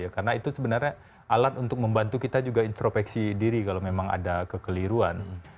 karena itu sebenarnya alat untuk membantu kita juga intropeksi diri kalau memang ada kekeliruan